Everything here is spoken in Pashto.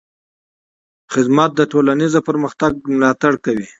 خدمت د ټولنیز پرمختګ ملاتړ کوي.